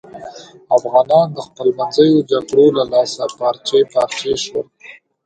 افغانان د خپلمنځیو جگړو له لاسه پارچې پارچې شول.